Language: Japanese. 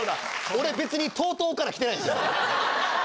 俺別にＴＯＴＯから来てないですよ。